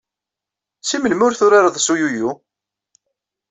Seg melmi ur turared s uyuyu?